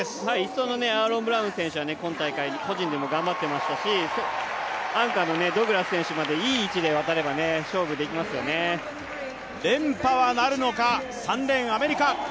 １走のアーロン・ブラウン選手は今大会、個人でも頑張ってましたしアンカーのド・グラス選手までいい位置で渡れば連覇はなるのか、３レーン、アメリカ。